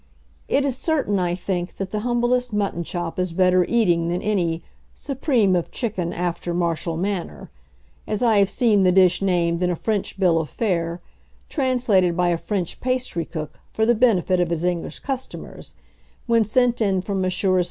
It is certain, I think, that the humblest mutton chop is better eating than any "Supreme of chicken after martial manner," as I have seen the dish named in a French bill of fare, translated by a French pastrycook for the benefit of his English customers, when sent in from Messrs.